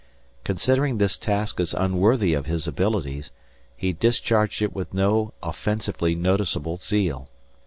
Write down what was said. Considering this task as unworthy of his abilities, he discharged it with no offensively noticeable zeal.